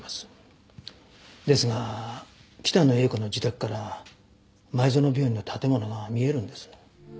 ですが北野英子の自宅から前園病院の建物が見えるんです。